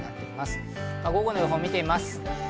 午後の予報を見てみます。